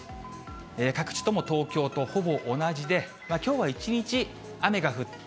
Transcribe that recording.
各地とも東京とほぼ同じで、きょうは一日、雨が降って。